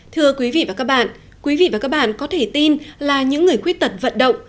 thưa quý vị và các bạn quý vị và các bạn có thể tin là những người khuyết tật vận động